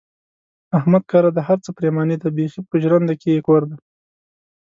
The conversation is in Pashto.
احمد کره د هر څه پرېماني ده، بیخي په ژرنده کې یې کور دی.